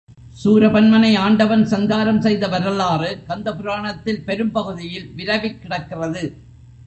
சூரபன்மனை ஆண்டவன் சங்காரம் செய்த வரலாறு கந்த புராணத்தில் பெரும்பகுதியில் விரவிக் கிடக்கிறது.